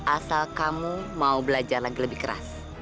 asal kamu mau belajar lagi lebih keras